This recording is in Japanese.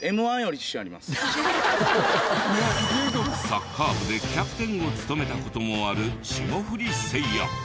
サッカー部でキャプテンを務めた事もある霜降りせいや。